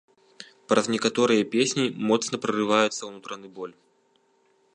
Праз некаторыя песні моцна прарываецца ўнутраны боль.